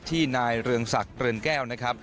นายเรืองศักดิ์เรือนแก้วนะครับ